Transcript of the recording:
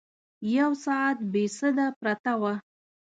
یو ساعت بې سده پرته وه.